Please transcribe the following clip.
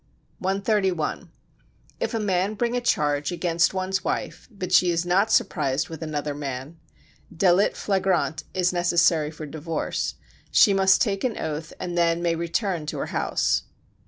131. If a man bring a charge against one's wife, but she is not surprised with another man [delit flagrant is necessary for divorce], she must take an oath and then may return to her house.